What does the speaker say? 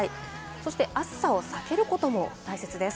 そして暑さを避けることも大切です。